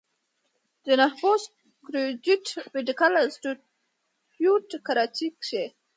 جناح پوسټ ګريجويټ ميډيکل انسټيتيوټ کراچۍ کښې